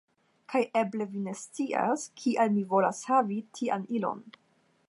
Kaj eble vi ne scias, kial mi volas havi tian ilon.